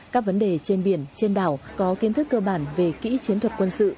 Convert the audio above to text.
các vấn đề trên biển trên đảo có kiến thức cơ bản về kỹ chiến thuật quân sự